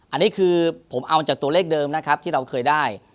อันนี้คือผมเอาจากตัวเลขเดิมนะครับที่เราเคยได้